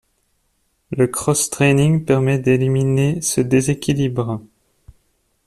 Le cross-training permet d'éliminer ce déséquilibre.